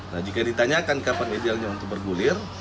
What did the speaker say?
nah jika ditanyakan kapan idealnya untuk bergulir